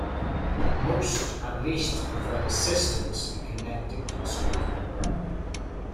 Most, at least, provide assistance in connecting to the school's network.